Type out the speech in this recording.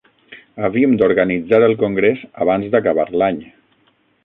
Havíem d'organitzar el Congrés abans d'acabar l'any.